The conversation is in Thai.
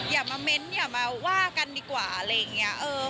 อย่ามาเม้นต์อย่ามาว่ากันดีกว่าอะไรอย่างนี้